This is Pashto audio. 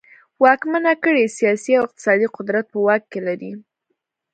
واکمنه کړۍ سیاسي او اقتصادي قدرت په واک کې لري.